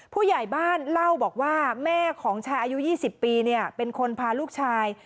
ผู้ใหญ่บ้านเล่าบอกว่าแม่ของชายอายุ๒๐ปีเป็นคนพาลูกชาย